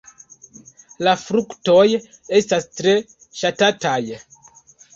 La fruktoj estas tre ŝatataj.